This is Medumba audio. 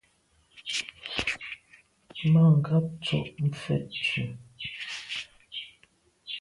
Mà ngab tsho’ mfe tù.